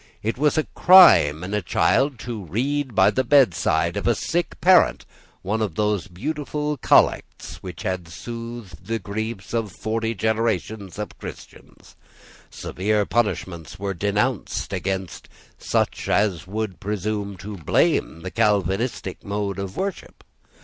It was a crime in a child to read by the bedside of a sick parent one of those beautiful collects which had soothed the griefs of forty generations of Christians. Severe punishments were denounced against such as should presume to blame the Calvinistic mode of worship.